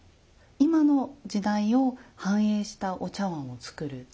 今の時代を反映したお茶碗を作る。